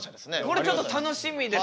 これちょっと楽しみですね。